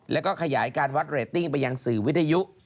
แล้วก็ขยายการวัดเรตติ้งไปยังสื่อวิทยุ